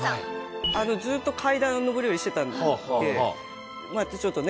ずっと階段を上り下りしていたんでちょっとね